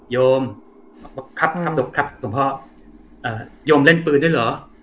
โยมครับครับครับครับส่วนพ่อเอ่อโยมเล่นปืนด้วยเหรอ